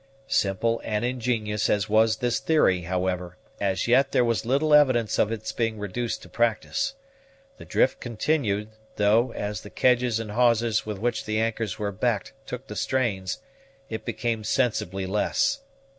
Simple and ingenious as was this theory, however, as yet there was little evidence of its being reduced to practice. The drift continued; though, as the kedges and hawsers with which the anchors were backed took the strains, it became sensibly less.